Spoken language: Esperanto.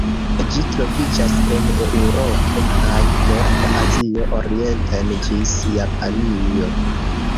Ĝi troviĝas en Eŭropo kaj norda Azio orienten ĝis Japanio.